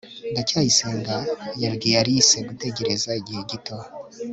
ndacyayisenga yabwiye alice gutegereza igihe gito